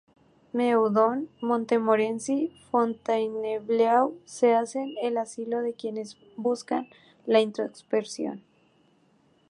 Meudon, Montmorency, Fontainebleau se hacen el asilo de quienes buscan la introspección.